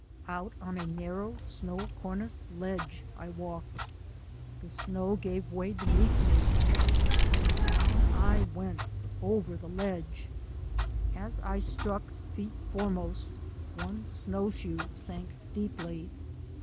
Out on a narrow, snow corniced ledge I walked. The snow gave way beneath me and down I went over the ledge. As I struck, feet foremost, one snowshoe sank deeply.